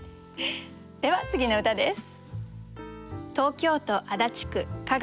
では次の歌です。